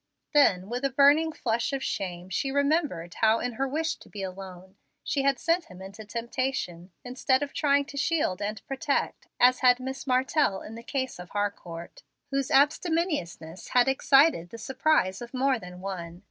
Then with a. burning flush of shame she remembered how, in her wish to be alone, she had sent him into temptation, instead of trying to shield and protect, as had Miss Martell in the case of Harcourt, whose abstemiousness had excited the surprise of more than one.